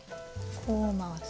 こう回す。